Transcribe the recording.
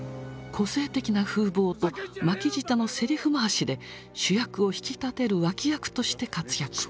個性的な風貌と巻き舌のセリフ回しで主役を引き立てる脇役として活躍。